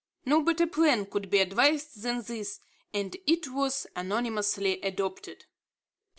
No better plan could be devised than this, and it was unanimously adopted.